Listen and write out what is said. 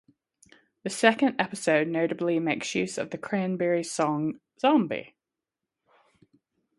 The second episode notably makes use of the Cranberries song "Zombie".